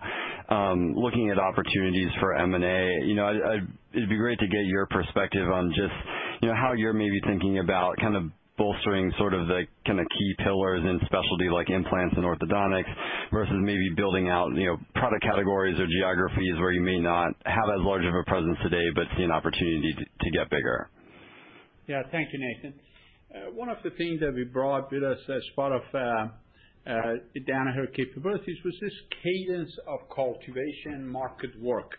looking at opportunities for M&A. You know, It'd be great to get your perspective on just, you know, how you're maybe thinking about kind of bolstering sort of the kinda key pillars in specialty like implants and orthodontics versus maybe building out, you know, product categories or geographies where you may not have as large of a presence today but see an opportunity to get bigger. Yeah. Thank you, Nathan. One of the things that we brought with us as part of Danaher capabilities was this cadence of cultivation market work.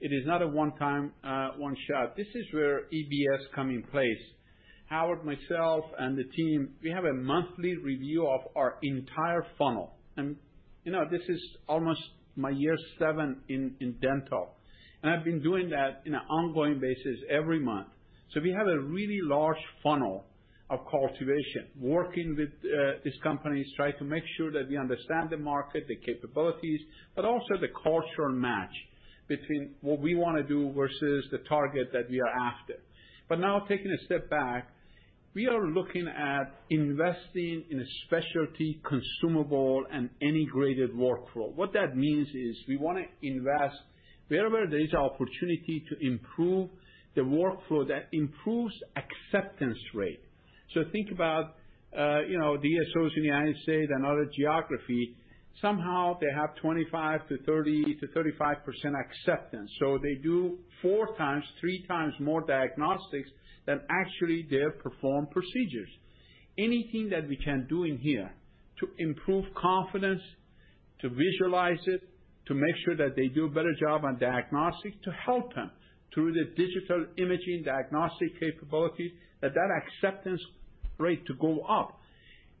It is not a one-time one shot. This is where EBS come in place. Howard, myself, and the team, we have a monthly review of our entire funnel. You know, this is almost my year seven in dental, and I've been doing that on an ongoing basis every month. We have a really large funnel of cultivation, working with these companies, try to make sure that we understand the market, the capabilities, but also the cultural match between what we wanna do versus the target that we are after. Now taking a step back, we are looking at investing in a specialty consumable and integrated workflow. What that means is we want to invest wherever there is opportunity to improve the workflow that improves acceptance rate. Think about, you know, DSOs in the United States and other geographies. Somehow they have 25%-30%-35% acceptance. They do 4x, 3x more diagnostics than actually they perform procedures. Anything that we can do in here to improve confidence, to visualize it, to make sure that they do a better job on diagnostics to help them through the digital imaging diagnostic capability, that acceptance rate to go up.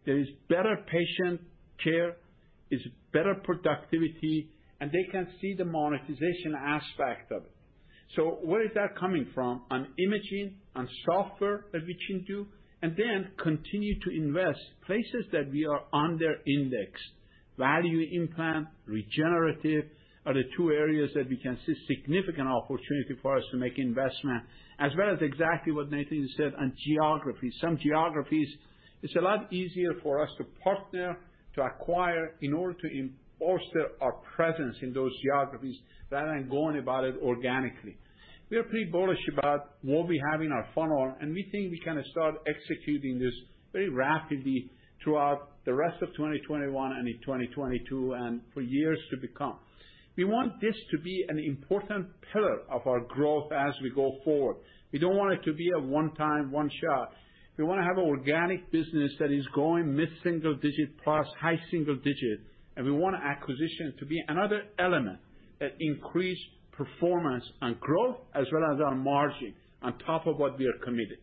There is better patient care, is better productivity, and they can see the monetization aspect of it. Where is that coming from? On imaging, on software that we can do, and then continue to invest places that we are under indexed. Value implant, regenerative are the two areas that we can see significant opportunity for us to make investment, as well as exactly what Nathan said on geography. Some geographies, it's a lot easier for us to partner, to acquire in order to enhance our presence in those geographies rather than going about it organically. We are pretty bullish about what we have in our funnel, and we think we can start executing this very rapidly throughout the rest of 2021 and in 2022 and for years to come. We want this to be an important pillar of our growth as we go forward. We don't want it to be a one-time one shot. We wanna have organic business that is growing mid-single-digit plus high-single-digit, and we want acquisition to be another element that increase performance and growth as well as our margin on top of what we are committed.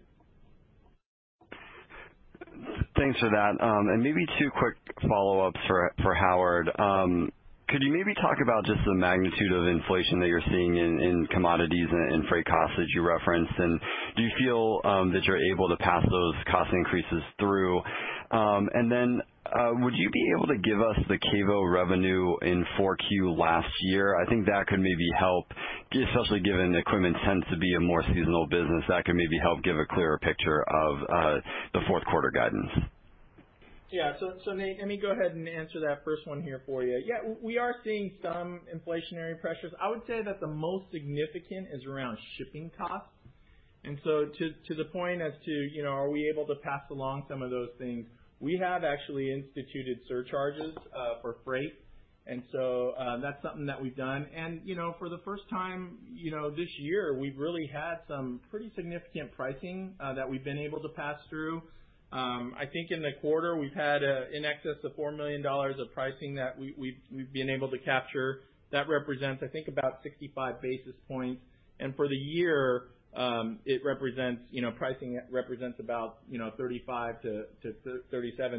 Thanks for that. Maybe two quick follow-ups for Howard. Could you maybe talk about just the magnitude of inflation that you're seeing in commodities and freight costs that you referenced? Do you feel that you're able to pass those cost increases through? Would you be able to give us the KaVo revenue in 4Q last year? I think that could maybe help, especially given the equipment tends to be a more seasonal business, that could maybe help give a clearer picture of the fourth quarter guidance. Yeah. Nate, let me go ahead and answer that first one here for you. Yeah, we are seeing some inflationary pressures. I would say that the most significant is around shipping costs. To the point as to, you know, are we able to pass along some of those things, we have actually instituted surcharges for freight. That's something that we've done. You know, for the first time, you know, this year, we've really had some pretty significant pricing that we've been able to pass through. I think in the quarter, we've had in excess of $4 million of pricing that we've been able to capture. That represents, I think, about 65 basis points. For the year, it represents, you know, pricing represents about 35-37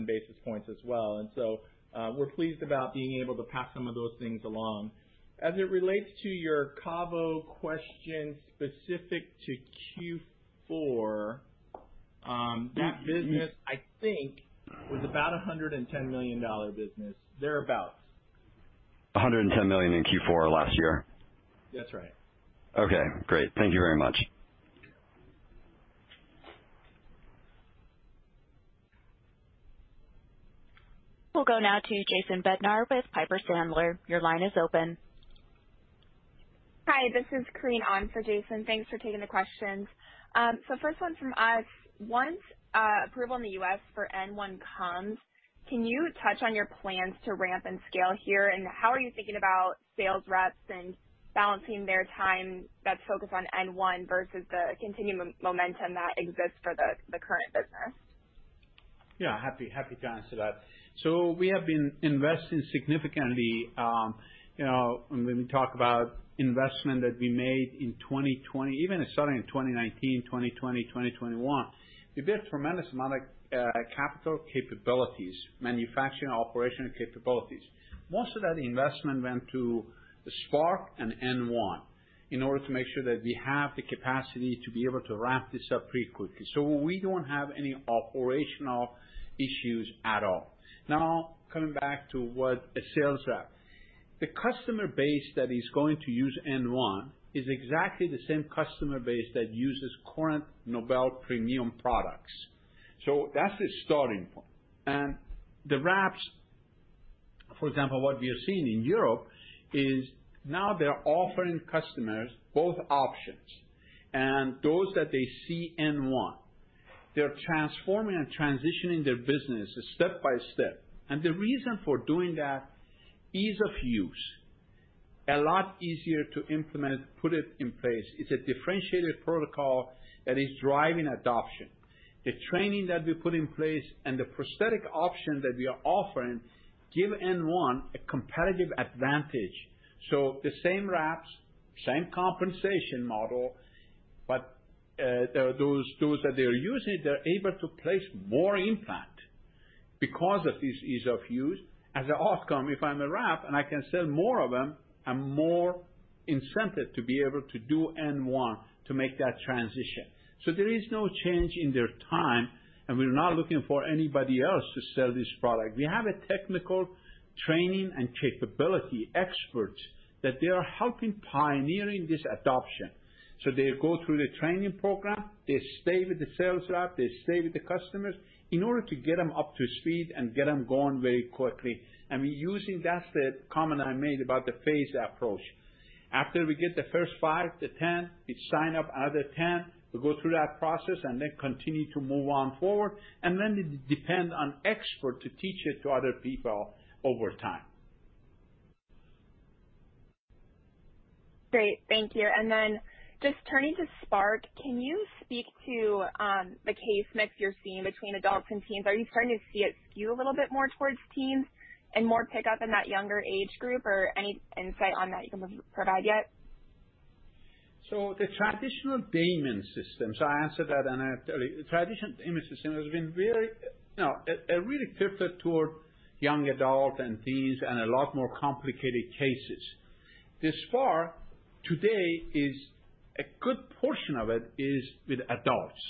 basis points as well. We're pleased about being able to pass some of those things along. As it relates to your KaVo question specific to Q4. That business, I think, was about a $110 million business, thereabout. $110 million in Q4 last year? That's right. Okay, great. Thank you very much. We'll go now to Jason Bednar with Piper Sandler. Your line is open. Hi, this is Korinne on for Jason. Thanks for taking the questions. So first one from us. Once approval in the U.S. for N1 comes, can you touch on your plans to ramp and scale here? And how are you thinking about sales reps and balancing their time that's focused on N1 versus the continuing momentum that exists for the current business? Yeah. Happy to answer that. We have been investing significantly, you know, when we talk about investment that we made in 2020, even starting in 2019, 2020, 2021, we built a tremendous amount of capital capabilities, manufacturing operational capabilities. Most of that investment went to Spark and N1 in order to make sure that we have the capacity to be able to ramp this up pretty quickly. We don't have any operational issues at all. Now, coming back to what a sales rep. The customer base that is going to use N1 is exactly the same customer base that uses current Nobel Premium products. That's a starting point. The reps, for example, what we have seen in Europe is now they're offering customers both options. Those that they see N1, they're transforming and transitioning their business step by step. The reason for doing that, ease of use. A lot easier to implement, put it in place. It's a differentiated protocol that is driving adoption. The training that we put in place and the prosthetic option that we are offering give N1 a competitive advantage. The same reps, same compensation model, but those that they are using, they're able to place more implants because of this ease of use. As an outcome, if I'm a rep and I can sell more of them, I'm more incented to be able to do N1 to make that transition. There is no change in their time, and we're not looking for anybody else to sell this product. We have a technical training and capability experts that they are helping pioneering this adoption. They go through the training program, they stay with the sales rep, they stay with the customers in order to get them up to speed and get them going very quickly. We're using. That's the comment I made about the phased approach. After we get the first 5-10, we sign up another 10. We go through that process and then continue to move on forward, and then we depend on experts to teach it to other people over time. Great. Thank you. Just turning to Spark, can you speak to the case mix you're seeing between adults and teens? Are you starting to see it skew a little bit more towards teens and more pickup in that younger age group or any insight on that you can provide yet? The traditional Damon System, I answered that, and I'll tell you. The traditional Damon System has been very, you know, it really tilted toward young adult and teens and a lot more complicated cases. The Spark today is a good portion of it is with adults.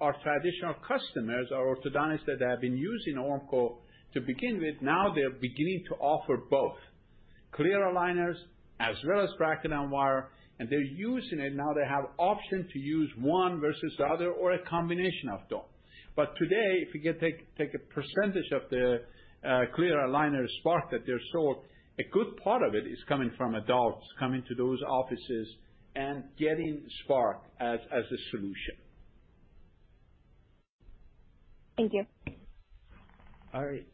Our traditional customers are orthodontists that have been using Ormco to begin with. Now they're beginning to offer both clear aligners as well as bracket and wire, and they're using it. Now they have option to use one versus the other or a combination of both. Today, if you can take a percentage of the clear aligner Spark that they sold, a good part of it is coming from adults coming to those offices and getting Spark as a solution. Thank you. All right.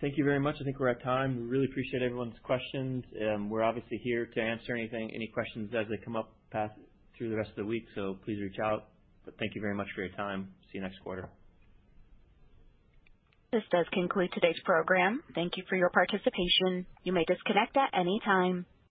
Thank you very much. I think we're out of time. We really appreciate everyone's questions. We're obviously here to answer anything, any questions as they come up throughout the rest of the week, so please reach out. Thank you very much for your time. See you next quarter. This does conclude today's program. Thank you for your participation. You may disconnect at any time.